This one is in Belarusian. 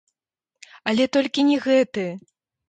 Але толькі не гэты!